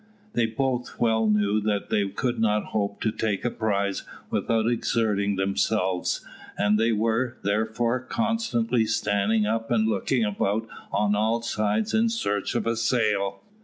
They both well knew that they could not hope to take a prize without exerting themselves, and they were, therefore, constantly standing up and looking about on all sides in search of a sail.